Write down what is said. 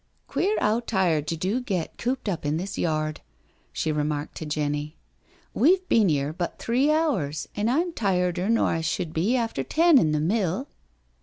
" Queer 'ow tired you do get cooped up in this yard," she remarked to Jenny. " We've been 'ere but three hours, an' I'm tireder nor I should be after ten in mill."